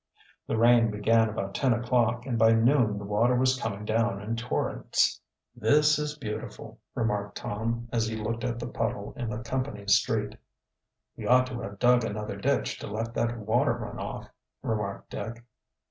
The rain began about ten o'clock and by noon the water was coming down in torrents. "This is beautiful," remarked Tom, as he looked at the puddle in the company's street. "We ought to have dug another ditch to let that water run off," remarked Dick.